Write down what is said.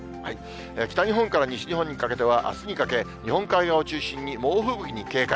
北日本から西日本にかけてはあすにかけ、日本海側を中心に猛吹雪に警戒。